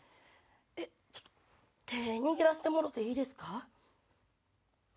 ちょっと手握らせてもろていいですか。